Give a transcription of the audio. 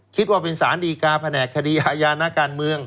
คิดว่าเป็นสารดีกาแผนกคดีอาญานักการเมือง